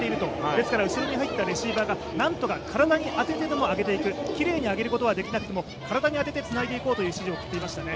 ですから後ろに入ったレシーバーが何とか体に当ててでも上げていく、きれいに上げることはできなくても、体に当ててつないでいこうという指示を送っていましたね。